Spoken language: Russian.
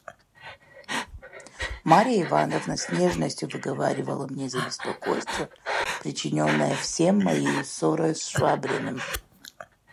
Марья Ивановна с нежностию выговаривала мне за беспокойство, причиненное всем моею ссорою с Швабриным.